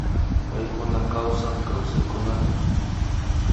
Paykuna kawsan kawsankuna